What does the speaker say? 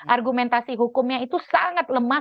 argumentasi hukumnya itu sangat lemah